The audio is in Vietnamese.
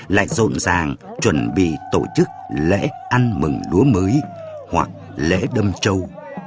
lại rộn ràng chuẩn bị tổ chức lễ ăn mừng lúa mới hoặc lễ đâm châu